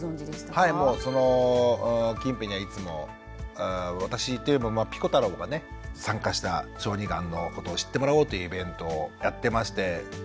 はいもうその近辺にはいつも私っていうよりもピコ太郎がね参加した小児がんのことを知ってもらおうというイベントをやってまして。